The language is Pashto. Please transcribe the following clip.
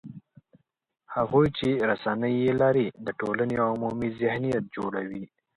هغوی چې رسنۍ یې لري، د ټولنې عمومي ذهنیت جوړوي